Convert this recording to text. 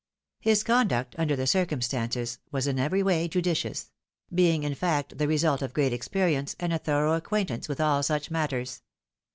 His conduct, under the circumstances, was iu every way judicious ; being, in fact, the result of great experience, and a thorough acquaintance with all such matters.